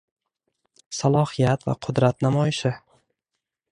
Salohiyat va qudrat namoyishi